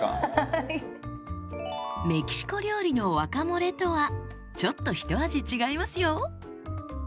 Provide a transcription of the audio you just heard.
メキシコ料理のワカモレとはちょっとひと味違いますよ。